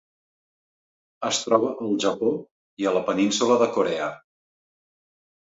Es troba al Japó i a la Península de Corea.